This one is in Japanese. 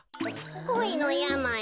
こいのやまい？